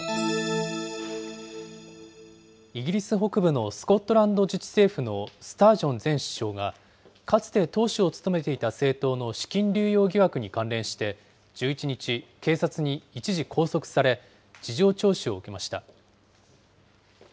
イギリス北部のスコットランド自治政府のスタージョン前首相が、かつて党首を務めていた政党の資金流用疑惑に関連して１１日、警察に一時拘束され、事情聴取を受けました。